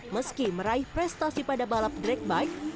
meski meraih prestasi pada balap drag bike